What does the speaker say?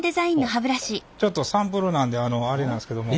ちょっとサンプルなんであれなんですけども。